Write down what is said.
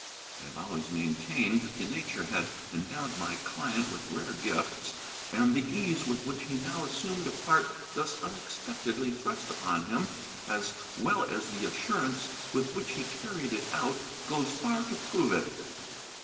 I have always maintained that nature had endowed my client with rare gifts; and the ease with which he now assumed a part thus unexpectedly thrust upon him, as well as the assurance with which he carried it out, goes far to prove it.